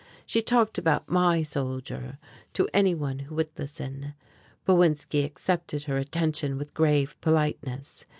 She talked about "my soldier" to any one who would listen. Bowinski accepted her attention with grave politeness.